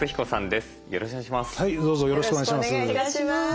よろしくお願いします。